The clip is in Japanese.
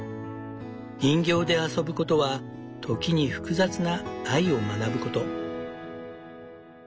人形で遊ぶことは時に複雑な愛を学ぶこと。